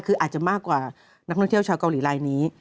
คืออาจจะมากกว่านักท่องเที่ยวชาวเกาหลีลายนี้